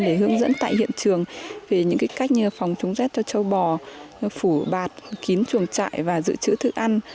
để hướng dẫn tại hiện trường về những cách như phòng chống rét cho châu bò phủ bạt kín chuồng trại và giữ chữ thức ăn